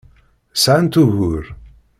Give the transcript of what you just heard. Sɛant ugur.